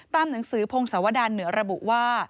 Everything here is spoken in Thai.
หนังสือพงศวดารเหนือระบุว่า